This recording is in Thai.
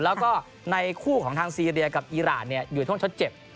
แล้วก็ในคู่ของทางซีเรียกับอีรานอยู่ช่วงชดเจ็บ